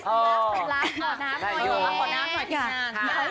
ขอน้ำหน่อยกินหนัง